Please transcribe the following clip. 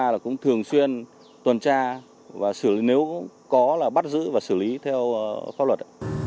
là cũng thường xuyên tuần tra và xử lý nếu có là bắt giữ và xử lý theo pháp luật